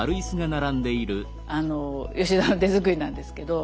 あの吉田の手作りなんですけど。